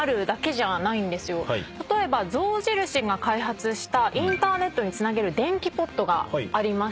例えば象印が開発したインターネットにつなげる電気ポットがありまして。